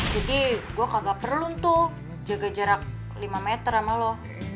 jadi gue kagak perlu ntuh jaga jarak lima meter sama lo